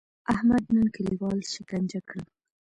احمد نن کلیوال سکنجه کړل.